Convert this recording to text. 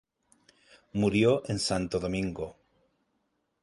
Murió en Santo Domingo.